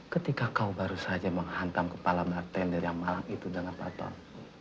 ketika kau baru saja menghantam kepala martenir yang malang itu dengan patok